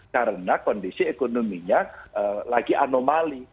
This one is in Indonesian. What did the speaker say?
karena kondisi ekonominya lagi anomali